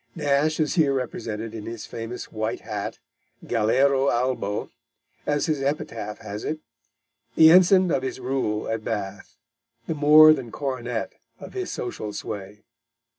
Nash is here represented in his famous white hat galero albo, as his epitaph has it; the ensign of his rule at Bath, the more than coronet of his social sway.